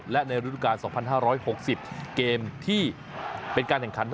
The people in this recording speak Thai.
และในฤทธิการสองพันห้าร้อยหกสิบเกมที่เป็นการแข่งขัน